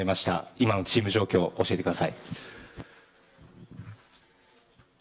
今のチーム状況を教えてください。